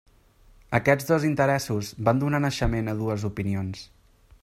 Aquests dos interessos van donar naixement a dues opinions.